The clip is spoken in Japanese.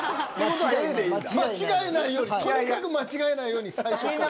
間違えないようにとにかく間違えないように最初から。